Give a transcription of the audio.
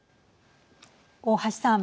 大橋さん。